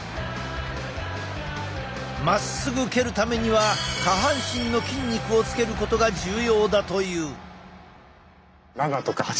まっすぐ蹴るためには下半身の筋肉をつけることが重要だという。